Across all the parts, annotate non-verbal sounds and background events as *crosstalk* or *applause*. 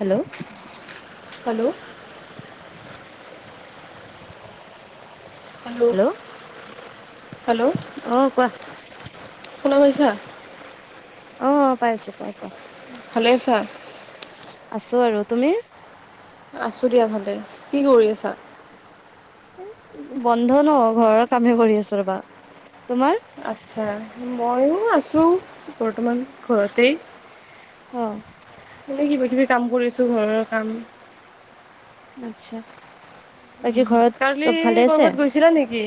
Hello hello. Hello, hello অ কোৱা শুনা পাইছা? অ পাইছোঁ, কোৱা কোৱা। ভালে আছা? আছো আৰু, তুমি? আছো দিয়া ভালে। কি কৰি আছা? এই বন্ধ ন, ঘৰৰ কামে কৰি আছো ৰবা, তোমাৰ? আচ্ছা ময়ো আছোঁ বৰ্তমান ঘৰতেই। অঁ এনেই কিবা কিবি কাম কৰিছো ঘৰৰ কাম। আচ্ছা, বাকী ঘৰত কালি চব ভালে আছে? ক'ৰবাত গৈছিলা নেকি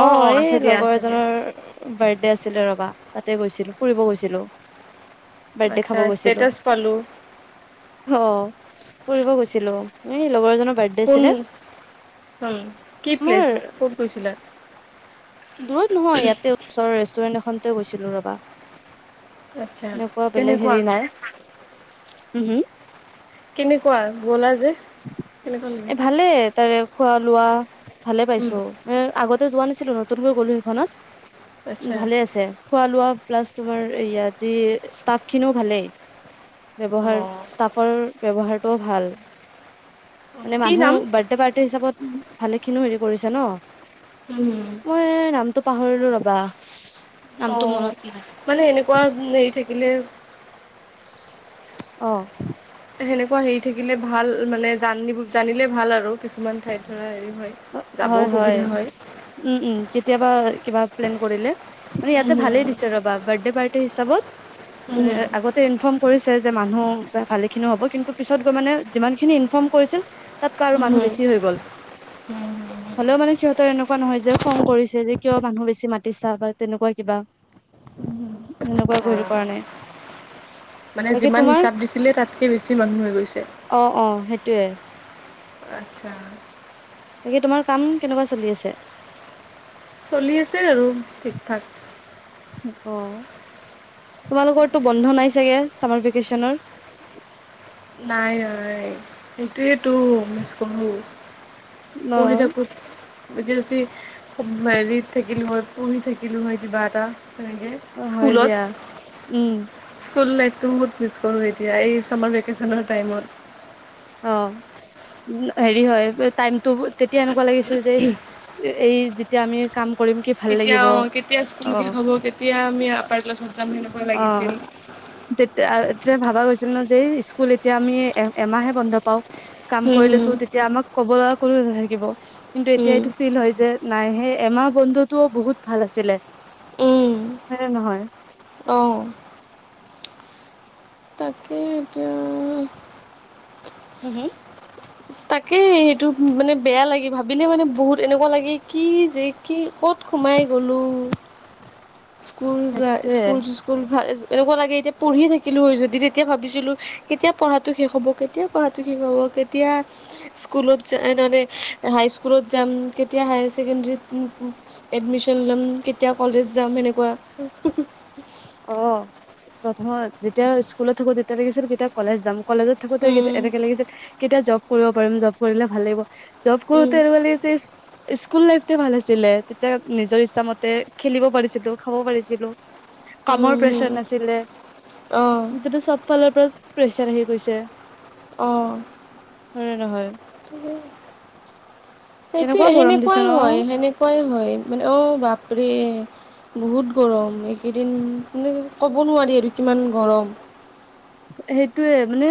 অঁ, এই আছে দিয়া লগৰ আছে দিয়া এজনৰ- বাৰ্থডে আছিলে ৰবা, তাতে গৈছিলো, ফুৰিব গৈছিলো। বাৰ্থডে খাব আচ্ছা গৈছিলো। ষ্টেটাছ পালোঁ অহ', ফুৰিব গৈছিলো, এই লগৰ এজনৰ বাৰ্থ কোন, কি প্লেচ, আমাৰ ক'ত গৈছিলা? দূৰত নহয়, ইয়াতে ওচৰৰ ৰেষ্টুৰেণ্ট এখনতে গৈছিলো ৰবা। আচ্ছা এনেকুৱা বেলেগ কেনেকুৱা হেৰি নাই হম হম। কেনেকুৱা, গ'লা যে? কেনেকুৱা এ লাগিল ভালে তাৰে খোৱা লোৱা ভালেই উম, পাইছো। হে আগতে যোৱা নাছিলো নতুনকৈ গ'লো সেইখনত, উম আচ্ছা ভালে আছে। খোৱা লোৱা প্লাছ তোমাৰ এইয়া যি ষ্টাফখিনিও ভালেই। ব্যৱহাৰ অঁ ষ্টাফৰৰ ব্যৱহাৰটোও ভাল। মানে কি মানুহ বাৰ্থডে পাৰ্টি হিচাপত ভালে খিনিও হেৰি কৰিছে ন'। উম। মই নামটো পাহৰিলো ৰবা। নামটো অ' মনত নাই মানে এনেকুৱা হেৰি থাকিলে অ। সেনেকুৱা হেৰি থাকিলে ভাল মানে জানিব জানিলে ভাল আৰু কিছুমান ঠাইতডৰা হেৰি হয় যাব সুবিধা হয়। উম উম কেতিয়াবা কিবা প্লেন কৰিলে মানে উম, ইয়াতে হম, ভালেই দিছে ৰ'বা বাৰ্থদে পা- সেই হিচাপত হম, মানে আগত। ইনফৰ্ম কৰিছে যে মানুহ ভালে খিনিও হ'ব কিন্তু পিছত গৈ মানে যিমান খিনি ইনফৰ্ম কৰিছে। তাতকৈ আৰু হম, মানুহ হম, বেছি হৈ গ'ল। হলেও মানে সিহঁতৰ এনেকুৱা নহয় যে খং কৰিছে যে কিয় মানুহ বেছি মাতিছা বা তেনেকুৱা কিবা। *inaudible* এনেকুৱা একো হেৰি অ'। কৰা নাই। মানে বাকী যিমান তোমাৰ হিচাপ দিছিলে তাতকে বেছি মানুহ হৈ গৈছে। অঁ অঁ সেইটোয়ে। আচ্ছা। বাকী তোমাৰ কাম কেনেকুৱা চলি আছে। চলি আছে আৰু থিক থাক। অঁ তোমালোকৰটো বন্ধ নাই চাগে চামাৰ ভেকেচনৰ। নাই নাই সেইটোয়েইটো মিছ কৰো অ পঢ়ি থাকো। *unintelligible* থাকিলোঁ হয়, পঢ়ি থাকিলোঁ হয় কিবা এটা, তেনেকে অ', হয় দিয়া, উম'। স্কুল লাইফটো বহুত মিছ কৰোঁ এতিয়া এই ছামাৰ ভেকেশ্যনৰ টাইমত। অঁ হেৰি হয় টাইমটো তেতিয়া এনেকুৱা লাগিছিল। যে এই যেতিয়া আমি কাম কৰিম কি। ভাল কেতিয়া লাগিব অঁ কেতিয়া স্কুল অ শেষ হ'ব কেতিয়া আমি আপাৰ ক্লাছত যাম সেনেকুৱা অ লাগিছিল। তেতিয়া তেতিয়া ভাবা গৈছিল ন যে স্কুল এতিয়া আমি এ এমাহে বন্ধ পাওঁ। কাম কৰিলেতো হুম তেতিয়া আমাক ক'ব লগা কোনো নাথাকিব। কিন্তু এতিয়া হুম এইটো ফিল হয় যে নাই সেই এমাহ বন্ধটোও বহুত ভাল আছিলে। হয় নে নহয়? অঁ। তাকে এতিয়া। হুম হুম? তাকেই সেইটো মানে বেয়া লাগে ভাবিলে মানে বহুত এনেকুৱা লাগে কি যে কি ক'ত সোমাই গ'লো স্কুল যায় সেইটোয়ে স্কুল স্কুল ভাল এনেকুৱা লাগে এতিয়া পঢ়ি থাকিলো হয় যদি, তেতিয়া ভাবিছিলো কেতিয়া পঢ়াটো শেষ হ'ব কেতিয়া পঢ়াটো শেষ হ'ব কেতিয়া স্কুলত যা মানে হাইস্কুলত যাম কেতিয়া হায়াৰ ছেকেণ্ডৰীত উম এডমিশ্যন ল'ম কেতিয়া কলেজ যাম সেনেকুৱা। অঁ প্ৰথমত যেতিয়া স্কুলত থাকোতে তেতিয়া লাগিছিল কেতিয়া কলেজ যাম। কলেজত থাকোতে উম এনেকে লাগে যে কেতিয়া জব কৰিব পাৰিম জব কৰিলে ভাল লাগিব। জব উম কৰোতে এনেকুৱা লাগিছে ইচ স্কুল লাইফটোৱে ভাল আছিলে তেতিয়া নিজৰ ইচ্ছামতে খেলিব পাৰিছিলো খাব পাৰিছিলো। উম কামৰ হুম প্ৰেছাৰ নাছিলে। অঁ এতিয়াটো চব ফালৰ পৰা প্ৰেছাৰ আহি গৈছে। অঁ হয় নে নহয়? সেইটোৱে কেনেকুৱা গৰম দিছে সেনেকুৱাই ন হয় সেনেকুৱাই হয় মানে অঁ বাপৰে। বহুত গৰম এইকেইদিন মানে ক'ব নোৱাৰি আৰু কিমান গৰম। সেইটোৱে মানে।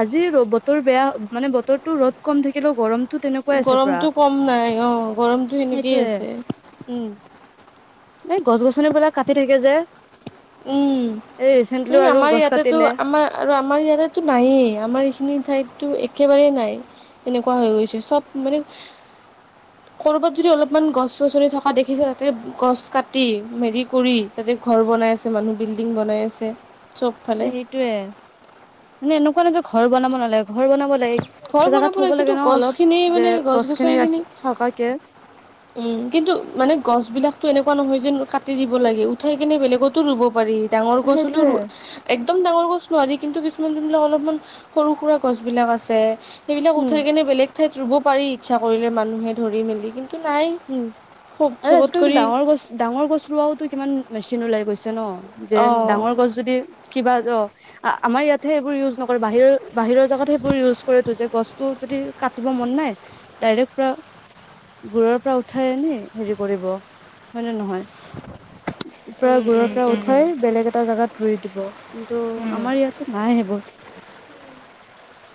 আজি বতৰ বেয়া মানে বতৰটো ৰ'দ কম থাকিলেও গৰম। গৰমটো কম নাই অঁ গৰমটো সেনেকেই সেইটোয়ে আছে। উম, এই গছ গছনিবিলাক কাটি থাকে যে। উম, এই ৰিচেন্টলি উম আৰু আমাৰ গছ ইয়াতেতো কাটিলে আমাৰ আৰু আমাৰ ইয়াতেতো নাইয়ে আমাৰ এইখিনি ঠাইততো একেবাৰেই নাই। তেনেকুৱা হৈ গৈছে চব মানে ক'ৰবাত যদি অলপমান গছ গছনি থকা দেখিছে তাতে গছ কাটি হেৰি কৰি, তাতে ঘৰ বনাই আছে মানুহ বিল্ডিং বনাই আছে। চবফালে এ সেইটোয়ে। মানে এনেকুৱা নহয় যে ঘৰ বনাব নালাগে ঘৰ বনাব লাগে কিন্তু ঘৰ এটা জেগা বনাব থব কিন্তু লাগে ন অলপ গছখিনি যে মানে গছ খিনি গছনিখিনি ৰাখি থকাকে। উম, কিন্তু মানে গছবিলাকতো এনেকুৱা নহয় যেন কাটি দিব লাগে উঠাই কিনে বেলেগতো ৰুব পাৰি। ডাঙৰ গছ হলেও সেইটোয়ে একদম ডাঙৰ গছ নোৱাৰি কিন্তু কিছুমান যোনবিলাক অলপমান সৰু সুৰা গছ বিলাক আছে। সেইবিলাক উম উঠাই কিনে বেলেগ ঠাইত ৰুব পাৰি ইচ্ছা কৰিলে মানুহে ধৰি মেলি কিন্তু নাই। উম খুব আৰু চবত আজিকালিটো কৰি ডাঙৰ গছ ডাঙৰ গছ ৰুৱাওটো কিমান মেচিন ওলাই গৈছে ন। যে অ ডাঙৰ গছ যদি কিবা অ আমাৰ ইয়াতহে সেইবোৰ ইউজ নকৰে বাহিৰৰ বাহিৰৰ জাগাত সেইবোৰ ইউজ কৰেতো যে গছ তোৰ যদি কাটিব মন নাই ডাইৰেক্ট পুৰা গুৰিৰ পৰা উঠাই আনি হেৰি কৰিব। হয় নে নহয়? পুৰা উম গুৰিৰ উম পৰা উম উঠাই বেলেগ এটা জেগাত ৰুই দিব কিন্তু, উম আমাৰ ইয়াতে নাই সেইবোৰ।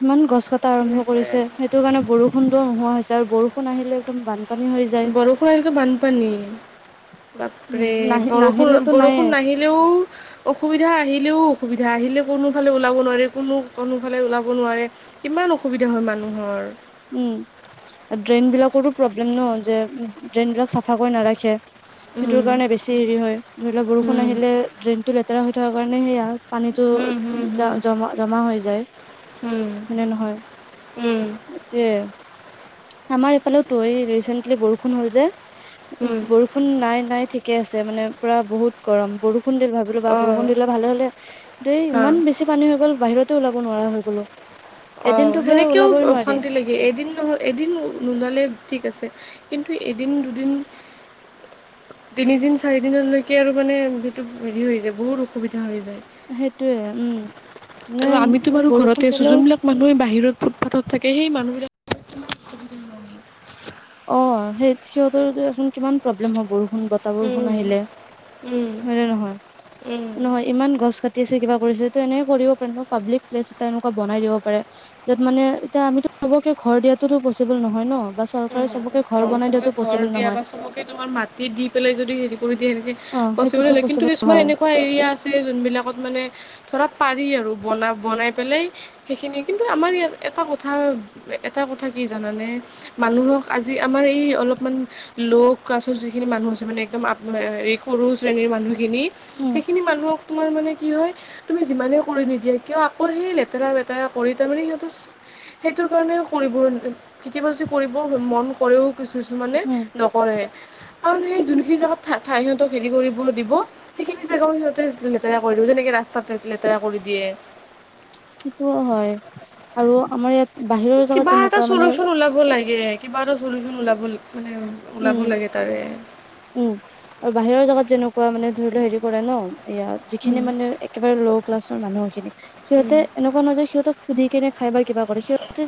ইমান গছ ক টা আৰম্ভ কৰিছে, সেইটো কাৰণে বৰষুণটো নোহোৱা হৈছে আৰু বৰষুণ আহিলে একদম বানপানী হৈ যায়। বৰষুণ আহিলেতো বানপানী উম বাপৰে নাহি বৰষুণ নাহিলেতো নাইয়ে বৰষুণ নাহি- লেও- অসুবিধা আহিলেও অসুবিধা আহিলেও কোনোফালে ওলাব নোৱাৰে কোনো কোনোফালে ওলাব নোৱাৰে। কিমান অসুবিধা হয় মানুহৰ। উম' ড্ৰেইন বিলাকৰো প্ৰব্লেম ন যে ড্ৰেইন বিলাক চাফা কৰি নাৰাখে। সেইটোৰ উম কাৰণে বেছি হেৰি হয় ধৰি লক বৰষুণ হুম আহিলে ড্ৰেইনটো লেতেৰা হৈ থকা কাৰণে সেয়া- পানীটো হুম হুম জ হুম জমা জমা হৈ যায় হুম হয়নে নহয়? উম' তে আমাৰ এইফালেটো এই ৰিচেন্টলি বৰষুণ হল যে উম বৰু- ষুণ নাই নাই ঠিকে আছে মানে পুৰা বহুত গৰম বৰষুণ দিল ভাব- ৰবা অঁ বৰষুণ দিলে ভালে হ'লে দেই হা ইমান বেছি পানী হৈ গল বাহিৰতেই ওলাব নোৱাৰা হৈ গ'লো। অঁ এদিনতো পুৰা সেনেকেও ওলাবই নোৱাৰি। অশান্তি এদিন নহ' এদিন নোলালে ঠিক আছে কিন্তু এদিন দুদিন- তিনিদিন চাৰিদিনলৈকে আৰু মানে সেইটো হেৰি হৈ যায় বহুত অসুবিধা হৈ যায়। সেইটোৱে উম' নে আৰু আমিতো বাৰু ঘৰতে বৰষুণ আছো দিলেও যোনবিলাক মানুহে বাহিৰত ফুটপাথত থাকে সেই মানুহবিলাক- অঁ সেই সিহঁতৰ এতিয়াচোন কিমান প্ৰব্লেম হয় বৰষুণ বত- তা বৰষুণ উম, আহিলে উম, হয়নে নহয়? উম। নহয়- ইমান গছ কাটি আছে কিবা কৰিছে ত এনেকে কৰিব পাৰে ন পাব্লিক প্লেছ এটা এনেকুৱা বনাই দিব পাৰে। যত মানে এতিয়া আমিতো চবকে ঘৰ দিয়াতোটো পচিবল নহয় ন, বা চৰ- উম অঁ চবকে ঘৰ দিয়া বা চবকে তোমাৰ মাটিত দি পেলাই যদি হেৰি কৰি দিয়ে সেনেকে- অ পচিবলে সেইটোতো হয়, কিন্তু পচিবল কিছুমান নহয় এনেকুৱা এৰিয়া আছে যোনবিলাকত মানে- ধৰা পাৰি আৰু বনা বনাই পেলাই- সেইখিনিয়ে কিন্তু আমাৰ ইয়াত এটা কথা এটা কথা কি জানানে? মানুহক আজি আমাৰ এই অলপমান- ল' কাছৰ যিখিনি মানুহ আছে মানে একদম আ এই সৰু শ্ৰেণীৰ মানুহখিনি- উম সেইখিনি মানুহক তোমাৰ মানে কি হয়? তুমি যিমানে কৰি নিদিয়া কিয় আকৌ সেই লেতেৰা বেতেৰা কৰি তাৰমানে সিহঁত- সেইটোৰ কাৰণে কৰিব কেতিয়াবা যদি কৰিব মন কৰেও কিছু কিছুমানে উম নক- কৰে। কাৰণ সেই যোনখিনি জাগাত সিহঁতক হেৰি কৰিব দিব- সেইখিনি জেগাও সিহঁতে লেতেৰা কৰি দিব। যেনেকে ৰাস্তাততে লেতেৰা কৰি দিয়ে। সেইটোও হয় আৰু আমাৰ ইয়াত- বাহিৰৰ জেগাত কিবা এটা তেনেকুৱা মানে চলিউচন ওলাব লাগে, কিবা এটা চলিউচন ওলাব মানে- ওলাব উম' লাগে তাৰে উম' আৰু বাহিৰৰ জাগাত যেনেকুৱা মানে ধৰি ল হেৰি কৰে ন এয়া যিখিনি উম মানে এক- কেবাৰে ল' ক্লাছৰ মানুহ খিনি উম সিহঁতে এনেকুৱা নহয় যে সিহতক সুধি কেনে খাই বা কিবা- কৰে। সিহঁতে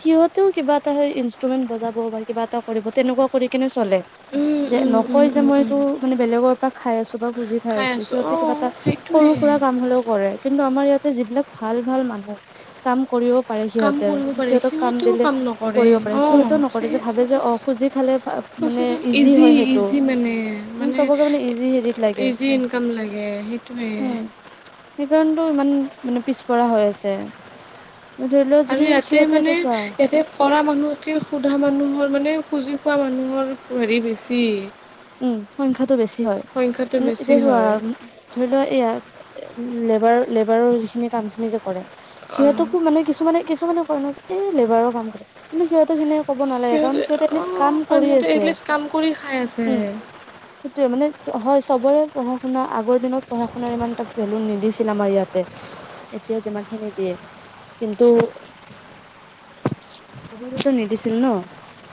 সিহঁতেও কিবা এটা ইন্ৰুমেন্ট বজাব বা কিবা এটা কৰিব তেনেকুৱা- কৰি কিনে চলে। উম' যে উম উম নকয় যে উম মই উম এইটো মানে বেলেগৰ পৰা খাই আছো বা খুজি খাই আছো আছোঁ সিহঁতে কিবা অঁ এটা- সৰু সেইটোৱে সুৰা কাম হলেও কৰে, কিন্তু আমাৰ ইয়াতে যিবিলাক ভাল ভাল মানুহ কাম কৰিও- কাম কৰিব পাৰে, সিয়োটো কাম নকৰে কৰিব পাৰে অঁ। সিহঁতেও নকৰে যে ভাবে যে অ খুজি খালে মানে কমচেকম ইজি হয় সেইটো ইজি মানে, মানে চবকে ইজি হেৰিত লাগে ইজি ইনকাম লাগে। তুমি- সেইকাৰণেটো ইমান মানে পিছপৰা হৈ আছে। ধৰি লোৱা আৰু যদি, ইয়াতে সিহঁতে মানে এইটো চোৱা ইয়াতে কৰা মানুহতকে সোধা মানুহৰ মানে, খুজি খোৱা মানুহৰ হেৰি বেছি। উম, সংখ্যাটো বেছি হয়, সংখ্যাটো মানে বেছি এতিয়া চোৱা হয় ধৰি লোৱা, এইয়া লেবাৰ-লেবাৰৰ যিখিনি কাম খিনি যে কৰে, অঁ সিহঁতকো মানে কিছুমানে-কিছুমানে কয় নহয়, যে এই লেবাৰৰ কাম কৰে, কিন্তু সিহঁতে তেনেক ক'ব নালাগে, কাৰণ সিহঁতে এটলিষ্ট অঁ কাম কাৰণ কৰি সিহঁতে আছে। এটলিষ্ট কাম কৰি খাই আছে সেইটোৱে মানে হয়, চবৰে পঢ়া-শুনা আগৰ দিনত পঢ়া-শুনাৰ ইমান এটা ভেলু নিদিছিল আমাৰ ইয়াতে এতিয়া যিমানখিনি দিয়ে, কিন্তু আগতেতো নিদিছিল ন,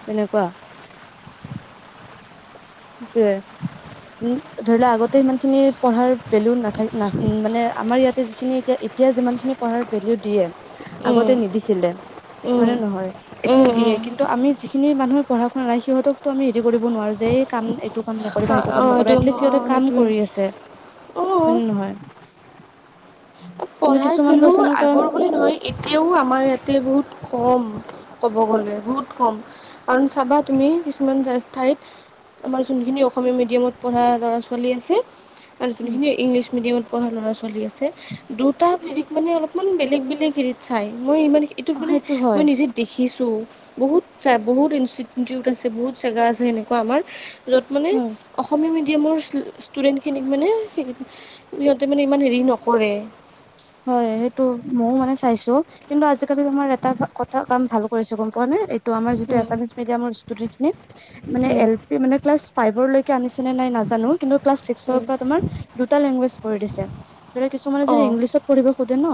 তেনেকুৱা সেইটোৱে উম, ধৰি লোৱা আগতে সিমান খিনি পঢ়াৰ ভেলু নাথা-নাচ মানে আমাৰ ইয়াতে যিখিনি এতিয়া এতিয়া যিমানখিনি পঢ়াৰ ভেলিউ দিয়ে, আগতে অঁ নিদিছিলে, হয় অঁ নে নহয়? এতিয়া অঁ দিয়ে, কিন্তু আমি যিখিনি মানুহে পঢ়া শুনা নাই, সিহঁতকতো আমি হেৰি কৰিব নোৱাৰোঁ যে এই কাম এইটো কাম নকৰিবা, অঁ সেইটো কাম অঁ নকৰিবা, এইটো এটলিষ্ট সিহঁতে অঁ কাম সেইটোৱে কৰি আছে, অঁ হয় নে নহয়? নহয়, পঢ়াৰ কিছুমানতো ভেলু আছে এনেকুৱা আগৰ বুলি নহয়, এতিয়াও আমাৰ ইয়াতে বহুত কম, ক'ব গ'লে, বহুত কম। কাৰণ চাবা তুমি, কিছুমান যা-ঠাইত আমাৰ যোনখিনি অসমীয়া মিডিয়ামত পঢ়া ল'ৰা ছোৱালী আছে আৰু উম যোনখিনি ইংলিছ মিডিয়ামত পঢ়া ল'ৰা ছোৱালী আছে দুটা হেৰিত মানে অলপমান বেলেগ-বেলেগ হেৰিত চাই, মই ইমান এইটোত মানে সেইটো হয় মই নিজে দেখিছোঁ, বহুত ঠাই-বহুত ইনষ্টিটিউট আছে, বহুত জেগা আছে সেনেকুৱা আমাৰ য'ত মানে উম অসমীয়া মিডিয়ামৰ ষ্টুডেণ্টখিনিক মানে সিহঁতে-সিহঁতে মানে ইমান হেৰি নকৰে। হয়, সেইটো মইও মানে চাইছোঁ কিন্তু আজিকালি তোমাৰ এটা কথা-কাম ভাল কৰিছে, গম পোৱানে? ত' আমাৰ যিটো অঁ এছামিছ মিডিয়ামৰ ষ্টুডেণ্টখিনি, মানে এ মানে ক্লাছ ফাইভৰলৈকে আনিছে নে নাই নাজানোঁ, কি চবৰ পৰা তোমাৰ, দুটা লেংগুৱেজ কৰি দিছে, ধৰি লোৱা কিছুমানে যদি ইংলিছত পঢ়িব খুঁজে ন,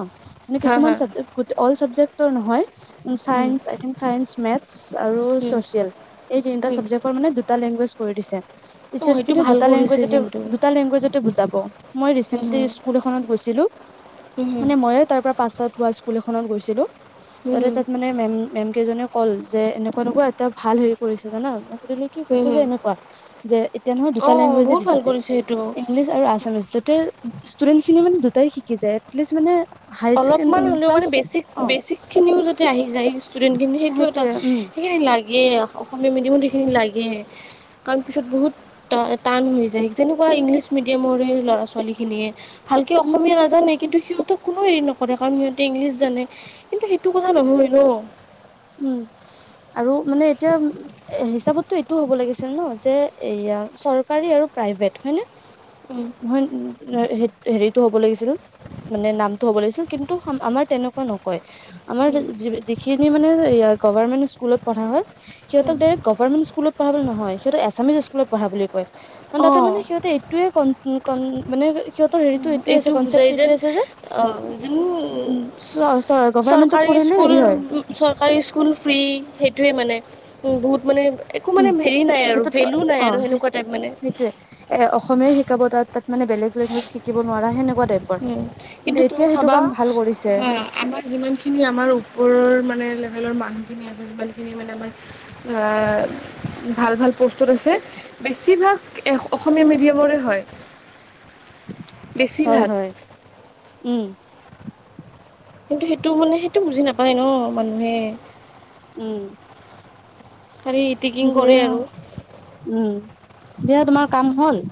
মানে হা কিছুমান হা অঁ চাবজেক, গো-অল চাবজেক্ট তৰ নহয়, um science, I think science, maths আৰু ছচিয়েল এই তিনিটা সেইটো চাবজেক্টৰ মানে দুটা লেংগুৱেজ কৰি দিছে, টিচাৰ্ছখিনিয়ে ভাল দুটা কৰিছে লেংগুৱেজতে কিন্তু দুটা লেংগুৱেজতে বুজাব, মই ৰিচেন্টলি স্কুল এখনত গৈছিলোঁ মানে মইয়ে তাৰ পৰা পাছ আউত হোৱা স্কুল এখনত গৈছিলোঁ, তাতে তাত মানে মেম-মেম কেইজনীয়ে কল যে, এনেকুৱা তেনেকুৱা, এটা ভাল হেৰি কৰিছে জানা, মই সুধিলোঁ কি কৈছে যে এনেকুৱা, যে এতিয়া নহয় দুটা অঁ লেংগুৱেজে বহুত দি ভাল দিছে, কৰিছে সেইটো ইংলিছ আৰু আছামিছ, যাতে ষ্টুডেন্টখিনি মানে দুটাই শিকি যায়, এতলিষ্ট মানে হাই ছেকেণ্ড অলপমান হ'লেও ক্লাছ মানে অ বেছিক-বেছিকখিনিও যদ দি আহি যায়, ষ্টুডেণ্টখিনি সেইটো এটা, সেইটোয়ে উম সেইখিনি লাগে, অসমীয়া মিডিয়ামত সেইখিনি লাগে কাৰণ পিছত বহুত ট-টান হৈ যায়, যেনেকুৱা ইংলিছ মিডিয়ামৰ এই ল'ৰা ছোৱালীখিনিয়ে ভালকে অসমীয়া নাজানে, কিন্তু সিহঁতক কোনেও হেৰি নকৰে, কাৰণ সিহঁতে ইংলিছ জানে, কিন্তু সেইটো কথা নহয় ন? উম, আৰু মানে এতিয়া এ হিচাপতটো এইটো হ'ব লাগিছিল ন, যে এয়া চৰকাৰী আৰু প্ৰাইভেট, হয় নে? উম হয় উ হেৰিতটো হ'ব লাগিছিল। মানে নামটো হ'ব লাগিছিল কিন্তু আমাৰ তেনেকুৱা নকয়। আমাৰ যিখিনি মানে গভমেন্ট স্কুলত পঢ়া হয় সিহঁত ডাইৰেক্ট গভমেন্ট স্কুলত পঢ়া বুলি নহয় সিহঁতে এছামিছ স্কুলত পঢ়া বুলি কয় কাৰণ তাতে অ', মান সহঁতে য়ে কন কন মানে সিহঁতৰ হেৰিটো এইটোৱে এইটো আছে কনচেপ্ট বুজাই যেন এইটোৱে আছে যে আহ য গভাৰমেন্টত চৰকাৰী পঢ়িলে স্কুল হেৰি হয় চৰকাৰী স্কুল ফ্ৰী সেইটোৱে মানে। উ বহুত মানে একো মানে উম হেৰি নাই আৰু সেইটোত ভেলু নাই অ আৰু সেনেকুৱা টাইপ মানে। সেইটোৱে এ অসমীয়া শিকাব তাত, তাত মানে বেলেগ লেংগুৱেজ শিকিব নোৱাৰা সেনেকুৱা। উম, কিন্তু তুমি এতিয়া সেইটো চাবা কাম ভাল কৰিছে। হা, আমাৰ যিমানখিনি আমাৰ ওপৰৰ মানে লেভেলৰ মানুহখিনি আছে যিমানখিনি মানে আমাৰ আহ ভাল ভাল পোষ্টৰ আছে। বেছিভাগ অসমীয়া মিডিয়ামৰে হয়। হয় বেছিভাগ হয় উম কিন্তু সেইটো মানে সেইটো বুজি নাপায় ন মানুহে উম খালি ইটিকিং কৰে আৰু উম দিয়া তোমাৰ কাম হ'ল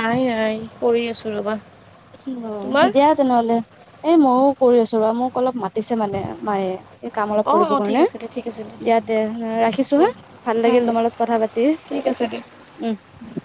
নাই নাই কৰি আছো ৰবা। অ তোমাৰ দিয়া তেনেহলে এই মইো কৰি আছো ৰ মোক অলপ মা। পাতিছে মানে মায়ে এই কাম অলপ অঁ অঁ কৰিবৰ ঠিক কাৰণে আছে দে ঠিক আছে দে ঠিক দিয়া আছে তে দে ৰাখিছো হা ভাল হয় লাগিল হয় তোমাৰ লগত কথা পাতি ঠিক আছে দে উম